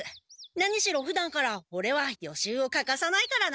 何しろふだんからオレは予習をかかさないからな。